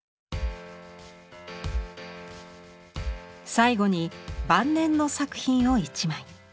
最後に晩年の作品を１枚。